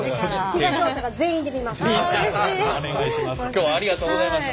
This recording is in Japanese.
今日はありがとうございます。